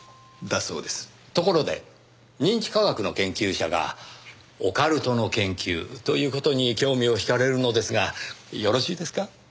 ところで認知科学の研究者がオカルトの研究という事に興味を引かれるのですがよろしいですか？